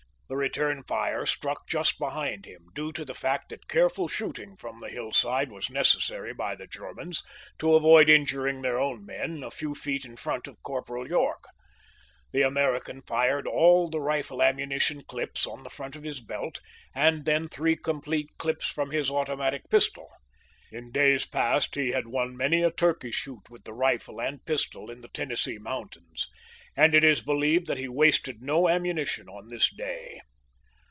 The return fire struck just behind him, due to the fact that careful shooting from the hillside was necessary by the Germans to avoid injuring their own men a few feet in front of Corporal York. The American fired all the rifle ammunition clips on the front of his belt and then three complete clips from his automatic pistol. In days past, he had won many a turkey shoot with the rifle and pistol in the Tennessee mountains, and it is believed that he wasted no ammuni tion on this day.